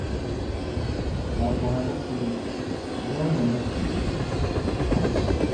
Nakɔha bi kuli, zoo ŋun ni kuli?